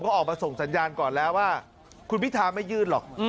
เขาออกมาส่งสัญญาณก่อนแล้วว่าคุณพิธาไม่ยื่นหรอก